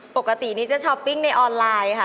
ปกตินี้จะช้อปปิ้งในออนไลน์ค่ะ